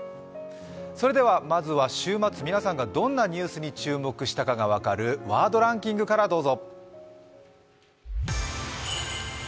それではまずは週末、皆さんがどんなニュースに注目したかが分かるワードランキングからどうぞ。